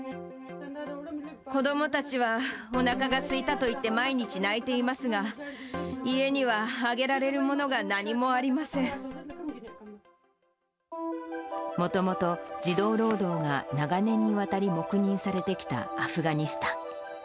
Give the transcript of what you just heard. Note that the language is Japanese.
子どもたちはおなかがすいたと言って、毎日泣いていますが、家にはあげられるものが何もありもともと、児童労働が長年にわたり黙認されてきたアフガニスタン。